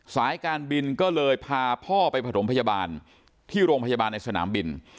สายการบินก็เลยพาพ่อไปผสมพยาบาลที่โรงพยาบาลในสนามบิน